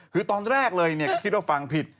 คือตอนแรกเลยก็คิดว่าฟังผิด